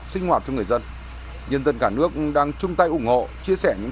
bị bỏ rơi là hoàn toàn không đúng